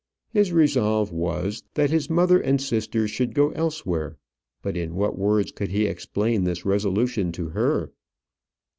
His resolve was, that his mother and sisters should go elsewhere; but in what words could he explain this resolution to her?